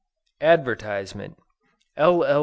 ADVERTISEMENT L. L.